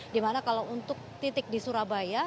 di mana kalau untuk titik di surabaya